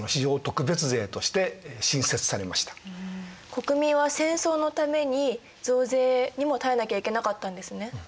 国民は戦争のために増税にも耐えなきゃいけなかったんですね。